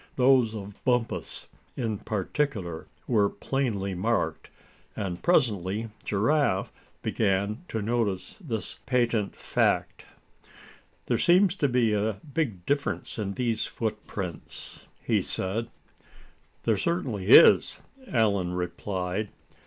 Those of Bumpus in particular were plainly marked, and presently Giraffe began to notice this patent fact. "There seems to be a big difference in these footprints," he said. "There certainly is," Allan replied.